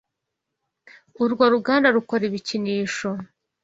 Urwo ruganda rukora ibikinisho.